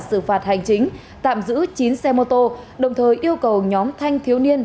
xử phạt hành chính tạm giữ chín xe mô tô đồng thời yêu cầu nhóm thanh thiếu niên